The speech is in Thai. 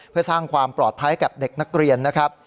เพื่อสร้างความปลอดภัยกับเด็กนักเรียนนะครับ